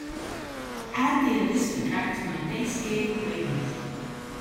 Add the avispa track to my Bass Gaming playlist.